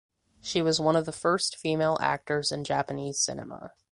She was one of the first female actors in Japanese cinema.